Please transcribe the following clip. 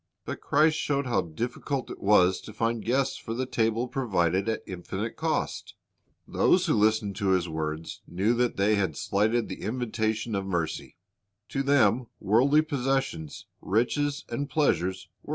But Christ showed how difficult it was to find guests for the table provided at infinite cost. Those who listened to His words knew that they had slighted the invitation of mercy. To them worldly possessions, riches, and pleasures were ijohii 6:51 2 Matt.